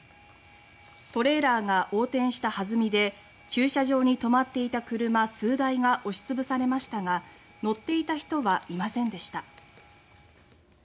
トレーラーが横転したはずみで駐車場に止まっていた車数台が押しつぶされましたが乗っていた人はいませんでした。